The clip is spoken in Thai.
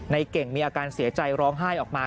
เก่งมีอาการเสียใจร้องไห้ออกมา